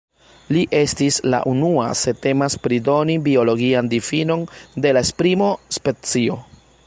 Li estis la unua se temas pri doni biologian difinon de la esprimo "specio".